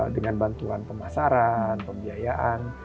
dengan bantuan pemasaran pembiayaan